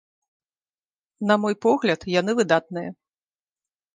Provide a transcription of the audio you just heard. На мой погляд, яны выдатныя.